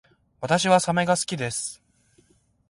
私はサメが好きです